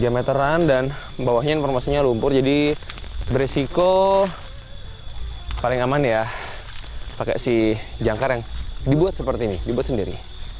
tiga meteran dan bawahnya informasinya lumpur jadi beresiko paling aman ya pakai si jangkar yang dibuat seperti ini dibuat sendiri